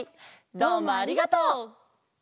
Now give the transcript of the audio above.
どうもありがとう！